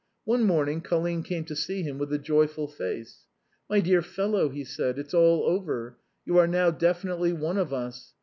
One morning, Colline came to see him with a joyful face. " My dear fellow," he said, " it's all over ; you are now definitely one of us.